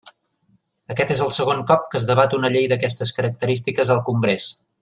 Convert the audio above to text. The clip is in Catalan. Aquest és el segon cop que es debat una llei d'aquestes característiques al Congrés.